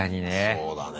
そうだね。